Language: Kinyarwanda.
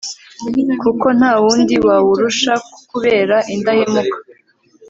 kuko nta wundi wawurusha kukubera indahemuka